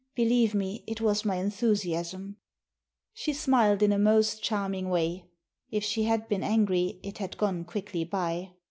Believe me, it was my enthusiasm." She smiled in a most charming way. If she had been angry, it had gone quickly by.